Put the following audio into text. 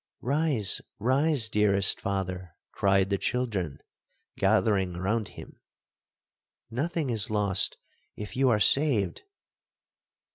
'—'Rise,—rise, dearest father,' cried the children, gathering round him, 'nothing is lost, if you are saved!'